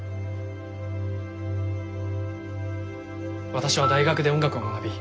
私は大学で音楽を学び